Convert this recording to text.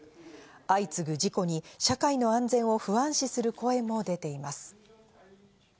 相次ぐ事故に社会の安全を不安視する声も出ています。